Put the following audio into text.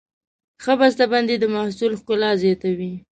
ښه بسته بندي د محصول ښکلا زیاتوي.